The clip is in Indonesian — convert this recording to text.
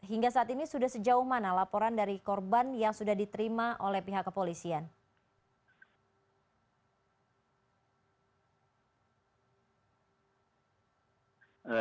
hingga saat ini sudah sejauh mana laporan dari korban yang sudah diterima oleh pihak kepolisian